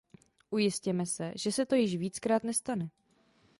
Ujistěme se, že se to již víckrát nestane.